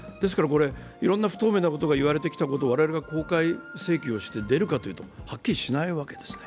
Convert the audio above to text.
いろんな不透明なことが言われたきたこと、我々は公開請求をして出るかというと、はっきりしないわけですね。